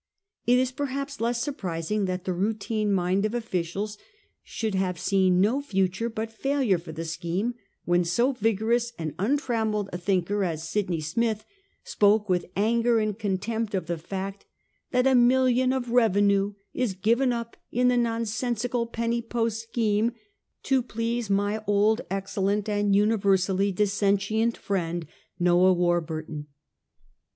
It is, perhaps, less sur prising that the routine mind of officials should have seen no future but failure for the scheme, when so vigorous and untrammelled a thinker as Sydney Smith spoke with anger and contempt of the fact that ' a million of revenue is given up in the nonsensical Penny Post scheme, to please my old, excellent and universally dissentient friend, Noah War burton.